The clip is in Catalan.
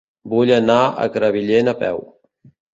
Vull anar a Crevillent a peu.